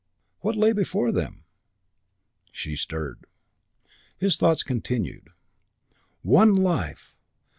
What lay before them? She stirred. His thoughts continued: One life!